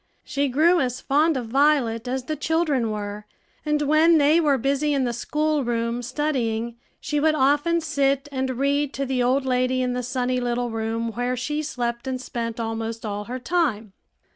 She grew as fond of Violet as the children were; and when they were busy in the school room, studying, she would often sit and read to the old lady in the sunny little room where she slept and spent almost all her time.